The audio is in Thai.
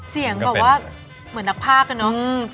เสียงแบบว่าเหมือนนักภาคอะเนาะ